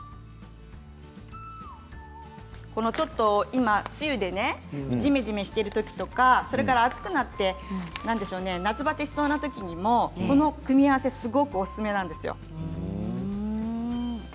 今、梅雨でじめじめしているときとか暑くなって夏バテしそうなときもこの組み合わせはすごくおすすめなんですよ。